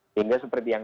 sehingga seperti yang